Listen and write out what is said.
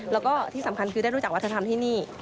แล้วก็ที่สำคัญคือได้รู้จักวัฒนธรรมที่นี่